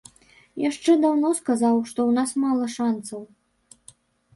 Яшчэ даўно сказаў, што ў нас мала шанцаў.